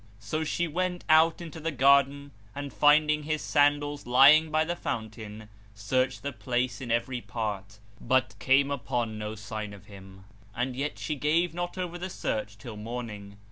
So she went out into the garden and finding his sandals lying by the fountain, searched the place in every part, but came upon no sign of him; and yet she gave not over the search till morning.